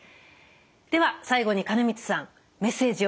では最後に金光さんメッセージをお願いします。